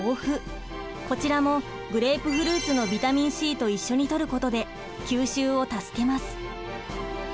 こちらもグレープフルーツのビタミンＣと一緒にとることで吸収を助けます。